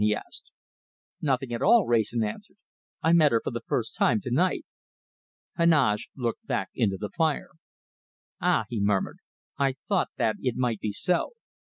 he asked. "Nothing at all," Wrayson answered. "I met her for the first time to night." Heneage looked back into the fire. "Ah!" he murmured. "I thought that it might be so.